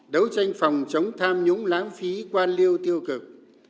đấu tranh phòng chống tham nhũng lãng phí quan liêu tiêu cực